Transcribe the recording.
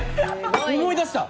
思い出した！